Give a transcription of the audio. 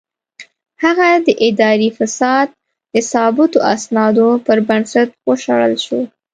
هغه د اداري فساد د ثابتو اسنادو پر بنسټ وشړل شو.